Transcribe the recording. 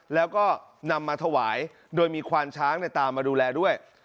แล้วก็นำมาถวายโดยมีควานช้างตามมาดูแลด้วย